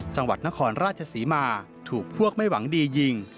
จังหวัดนครราชศรีมาถูกพวกไม่หวังดียิง